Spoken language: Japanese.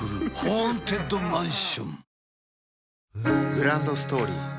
グランドストーリー